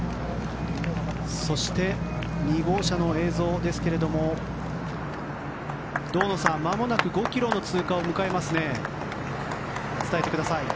そして、２号車の映像ですが堂野さん、まもなく５ｋｍの通過を迎えますね。